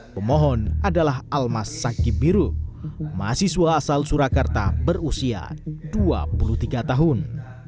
pemohon adalah almas saki biru mahasiswa asal surakarta berusia dua puluh tiga tahun